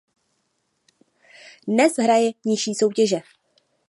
Dnes hraje nižší soutěže.